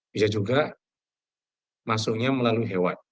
bisa juga masuknya melalui hewan